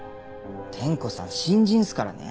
天子さん新人っすからね。